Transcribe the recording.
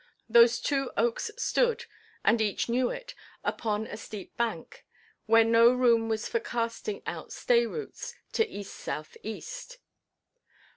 Those two oaks stood, and each knew it, upon a steep bank, where no room was for casting out stay–roots to east–south–east.